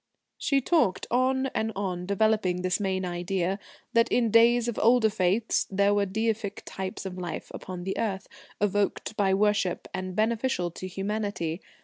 She talked on and on, developing this main idea that in days of older faiths there were deific types of life upon the earth, evoked by worship and beneficial to humanity.